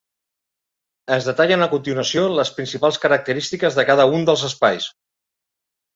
Es detallen a continuació les principals característiques de cada un dels espais.